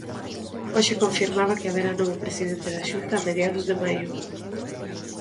Hoxe confirmaba que haberá novo presidente da Xunta a mediados de maio.